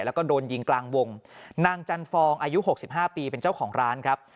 แล้วก็โดนยิงกลางวงนางจันฟองอายุ๖๕ปีเป็นเจ้าของร้านครับ